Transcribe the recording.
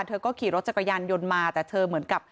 เธอก็ขี่รถจักรยานยนต์มาแต่เธอเหมือนกับ